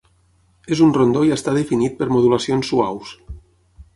És un rondó i està definit per modulacions suaus.